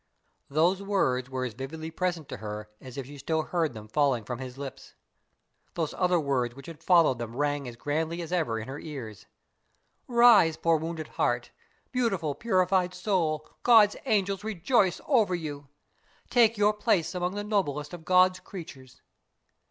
Those words were as vividly present to her as if she still heard them falling from his lips. Those other words which had followed them rang as grandly as ever in her ears: "Rise, poor wounded heart! Beautiful, purified soul, God's angels rejoice over you! Take your place among the noblest of God's creatures!"